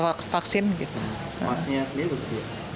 vaksinnya sendiri atau sedia